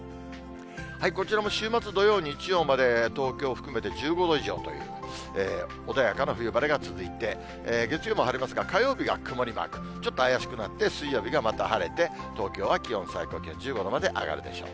こちらも週末、土曜、日曜まで東京含めて１５度以上という、穏やかな冬晴れが続いて、月曜も晴れますが、火曜日が曇りマーク、ちょっと怪しくなって、水曜日がまた晴れて、東京は気温、最高気温１５度まで上がるでしょう。